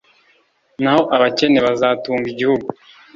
Naho abakene bazatunga igihugu